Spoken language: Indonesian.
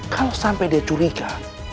kalau sampai dia curiga